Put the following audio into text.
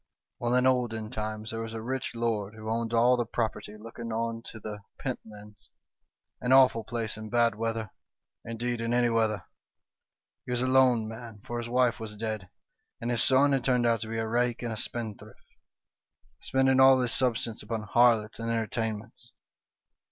" Well, in olden times there was a rich lord, who owned all the property looking on to the Pentlands an awful place in bad weather; indeed, in any weather. " He was a lone man, for his wife was dead, and his son had turned out to be a rake and a spendthrift, spending all his substance upon harlots and enter tainments.